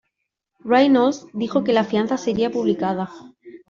Reynolds dijo que la fianza sería publicada.